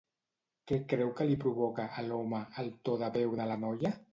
Què creu que li provoca, a l'home, el to de veu de la noia?